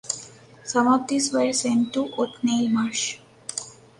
Some of these were sent to Othniel Marsh.